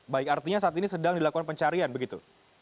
baik artinya saat ini sedang dilakukan pencarian begitu